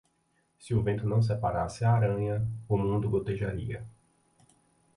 Se o vento não separasse a aranha, o mundo gotejaria.